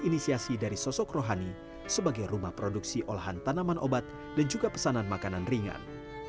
inisiasi dari sosok rohani sebagai rumah produksi olahan tanaman obat dan juga pesanan makanan ringan